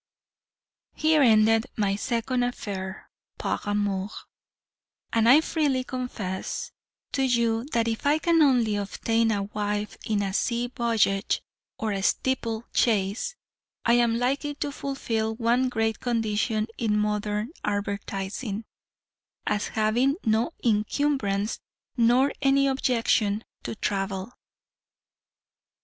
"Here ended my second affair 'par amour;' and I freely confess to you that if I can only obtain a wife in a sea voyage, or a steeple chase, I am likely to fulfil one great condition in modern advertising 'as having no incumbrance, nor any objection to travel.'"